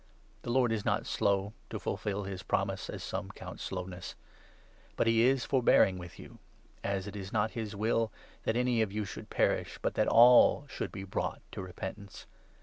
The Lord is not slow to fulfil his promise, as some count 9 slowness ; but he is forbearing with you, as it is not his will that any of you should perish, but that all should be brought to repentance.